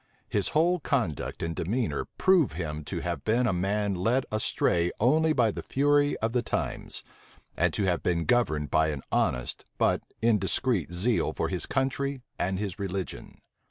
His whole conduct and demeanor prove him to have been a man led astray only by the fury of the times, and to have been governed by an honest but indiscreet zeal for his country and his religion.